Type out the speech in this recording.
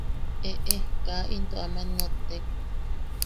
–Eʼe, Kaa into aman nottek.